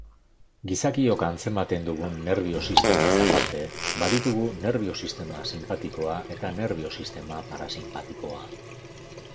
Gizakiok antzematen dugun nerbio-sistemaz aparte, baditugu nerbio-sistema sinpatikoa eta nerbio-sistema parasinpatikoa.